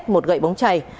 một gậy bóng chày